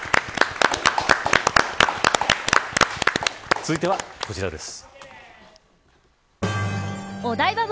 続いてはこちらです。